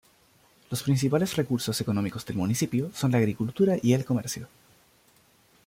Los principales recursos económicos del municipio son la agricultura y el comercio.